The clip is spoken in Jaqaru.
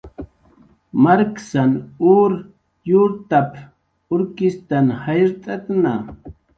"Marksan ur yurtap"" urkistn jayrt'atna "